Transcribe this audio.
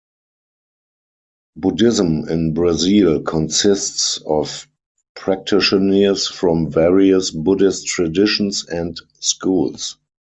Buddhism in Brazil consists of practitioners from various Buddhist traditions and schools.